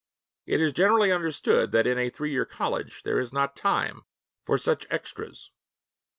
It is generally understood that in a three year college there is not time for such extras.'